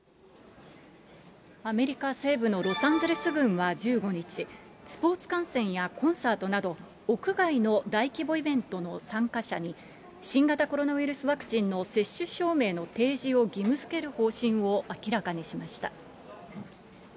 アメリカ西部のロサンゼルス郡は１５日、スポーツ観戦やコンサートなど、屋外の大規模イベントの参加者に、新型コロナウイルスワクチンの接種証明の提示を義務づける方針を明らかにしました。